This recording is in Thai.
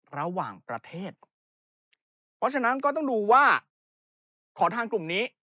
ระหว่างประเทศเพราะฉะนั้นก็ต้องดูว่าขอทานกลุ่มนี้